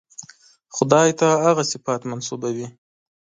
خدای ته هغه صفات منسوبوي.